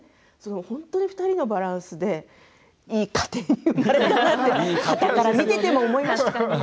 本当に２人のバランスでいい家庭に生まれたって見ていて思いましたよ。